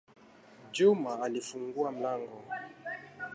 Juma alifungua mlango